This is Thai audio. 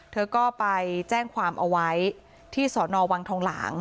เธอก็ไปแจ้งความเอาไว้ที่สอนอวังทองหลาง